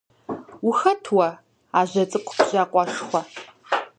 Ухэт уэ, ажэ цӀыкӀу бжьакъуэшхуэ?